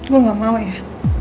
gue gak mau ya